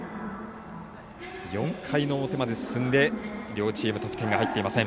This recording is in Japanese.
４回の表まで進んで両チーム、得点が入っていません。